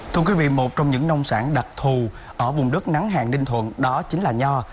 thưa quý vị một trong những nông sản đặc thù ở vùng đất nắng hàng ninh thuận đó chính là nho